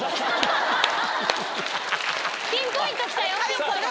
ピンポイント来たよ。